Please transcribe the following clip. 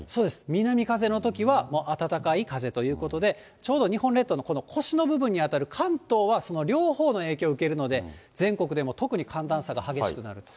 南風のときは、暖かい風ということで、ちょうど日本列島のこの腰の部分に当たる関東は、その両方の影響を受けるので全国でも特に寒暖差が激しくなると。